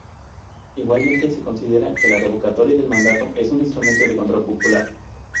Igualmente, se considera que la revocatoria de mandato es un instrumento de control popular.